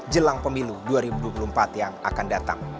jelang pemilu dua ribu dua puluh empat yang akan datang